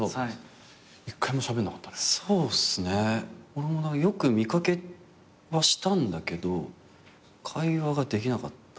俺もよく見掛けはしたんだけど会話ができなかった。